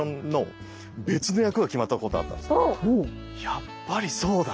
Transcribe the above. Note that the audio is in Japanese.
やっぱりそうだ！